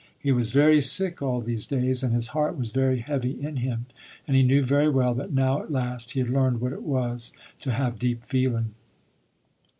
He was very sick all these days, and his heart was very heavy in him, and he knew very well that now at last he had learned what it was to have deep feeling.